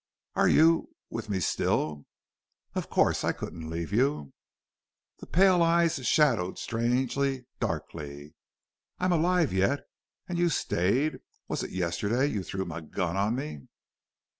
"Are you with me still?" "Of course, I couldn't leave you." The pale eyes shadowed strangely, darkly. "I'm alive yet. And you stayed!... Was it yesterday you threw my gun on me?"